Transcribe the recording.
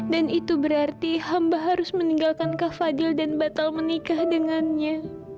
dan itu berarti hamba harus meninggalkan kah fadil dan batal menikah dengannya